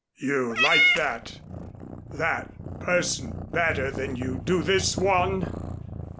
"You liked that that person better than you do this one?"